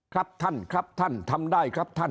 ครับท่านครับท่านทำได้ครับท่าน